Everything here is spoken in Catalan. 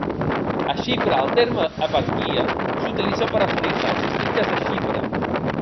A Xipre, el terme "eparquia" s'utilitza per referir-se als districtes de Xipre.